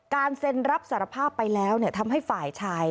เซ็นรับสารภาพไปแล้วทำให้ฝ่ายชาย